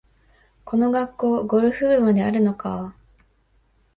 この学校、ゴルフ部まであるのかあ